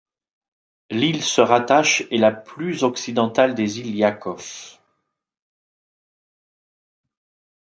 L'île se rattache est la plus occidentale des îles Liakhov.